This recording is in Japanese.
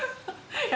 はい。